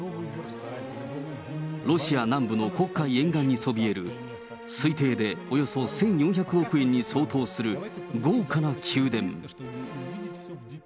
ロシア南部の黒海沿岸にそびえる、推定でおよそ１４００億円に相当する、豪華な宮殿。